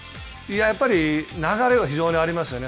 やっぱり、流れは非常にありますよね。